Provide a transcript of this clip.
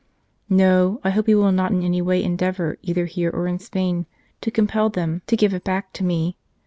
No ; I hope he will not in any way endeavour either here or in Spain to compel them to give it back to me.